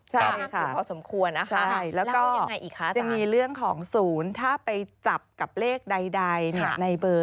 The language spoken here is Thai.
ใช่ค่ะแล้วก็จะมีเรื่องของ๐ถ้าไปจับกับเลขใดในเบอร์